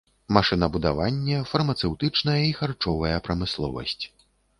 Машынабудаванне, фармацэўтычная і харчовая прамысловасць.